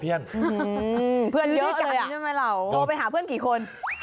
เพื่อนเยอะกันโทรไปหาเพื่อนกี่คน